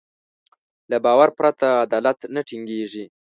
له باور پرته عدالت نه ټينګېږي.